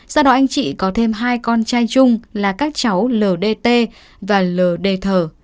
sau đó anh chị có thêm hai con trai chung là các cháu l d t và l d thờ